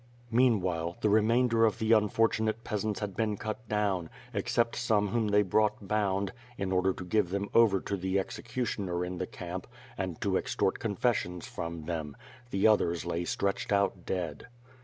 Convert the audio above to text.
Meanwhile, the remainder of the unfortunate peasants had been cut down, except some whom they brought bound, in order to give them over to the executioner in the camp and to extort confessions from them; the others lay stretcned out dead. WITH FIRE AND SWORD.